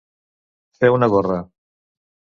Fer una gorra.